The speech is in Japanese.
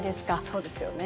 そうですよね。